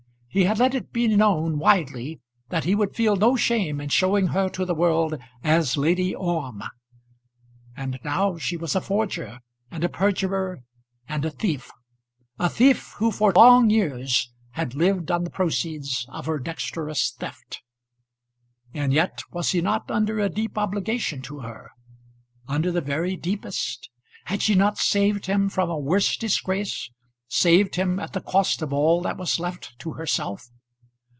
He had let it be known widely that he would feel no shame in showing her to the world as Lady Orme. And now she was a forger, and a perjurer, and a thief; a thief who for long years had lived on the proceeds of her dexterous theft. And yet was he not under a deep obligation to her under the very deepest? Had she not saved him from a worse disgrace; saved him at the cost of all that was left to herself?